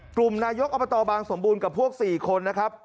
กลุ่มนายกอบตบางสมบูรณ์กับพวก๔คนนะครับ